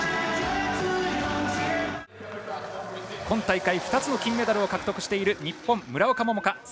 今大会２つの金メダルを獲得している日本、村岡桃佳。